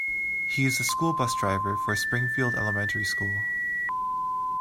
He is the school bus driver for Springfield Elementary School.